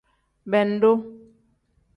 Bendu.